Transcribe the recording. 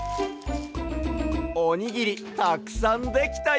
おにぎりたくさんできたＹＯ！